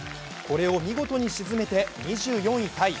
これを見事に沈めて２４位タイ。